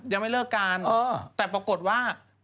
ยังไม่เลิกกันแต่ปรากฏว่า